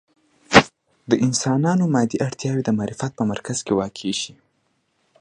د انسانانو مادي اړتیاوې د معرفت په مرکز کې واقع شي.